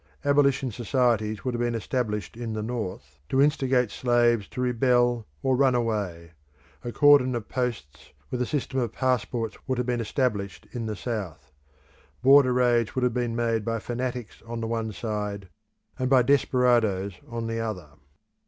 Abolition societies would have been established in the North, to instigate slaves to rebel or run away; a cordon of posts with a system of passports would have been established in the South. Border raids would have been made by fanatics on the one side, and by desperadoes on the other.